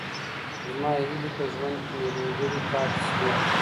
زما هیلې په ژوند کي نیمګړې پاتې سوې.